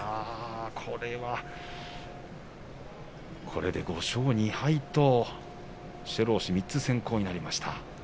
これで５勝２敗白星３つ先行になりました。